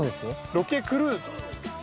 ロケクルーと。